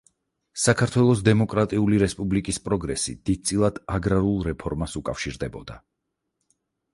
საქართველოს დემოკრატიული რესპუბლიკის პროგრესი დიდწილად აგრარულ რეფორმას უკავშირდებოდა.